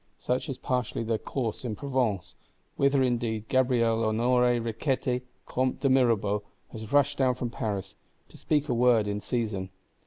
Such is partially their course in Provence; whither indeed Gabriel Honoré Riquetti Comte de Mirabeau has rushed down from Paris, to speak a word in season.